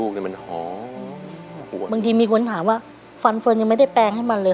ก็หอมอะค่ะก็ยังหอมอยู่